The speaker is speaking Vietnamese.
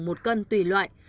một cân tùy loại